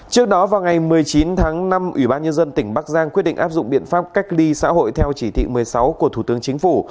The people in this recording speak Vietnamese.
trước đó vào ngày một mươi chín tháng năm ủy ban nhân dân tỉnh bắc giang quyết định áp dụng biện pháp cách ly xã hội theo chỉ thị một mươi sáu của thủ tướng chính phủ